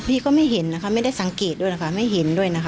พี่ก็ไม่เห็นนะคะไม่ได้สังเกตด้วยนะคะไม่เห็นด้วยนะคะ